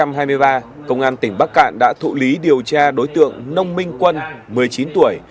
năm hai nghìn hai mươi ba công an tỉnh bắc cạn đã thụ lý điều tra đối tượng nông minh quân một mươi chín tuổi